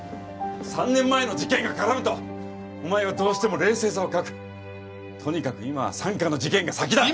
３年前の事件が絡むとお前はどうしても冷静さを欠くとにかく今は三課の事件が先だ